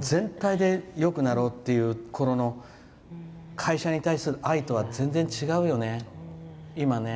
全体でよくなろうというころの会社に対する愛とは全然違うよね、今ね。